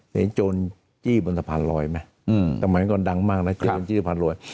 เห็นโจรจี้บนสะพานรอยไหมต่อไปก่อนดังมากนะจี้บนสะพานรอย